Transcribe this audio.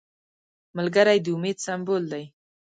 ملګری د امید سمبول دی